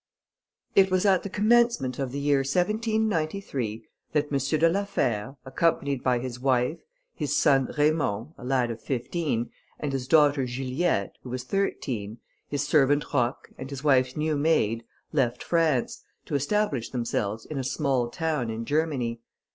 It was at the commencement of the year 1793, that M. de la Fère, accompanied by his wife, his son Raymond, a lad of fifteen, and his daughter Juliette, who was thirteen, his servant Roch, and his wife's new maid, left France, to establish themselves in a small town in Germany.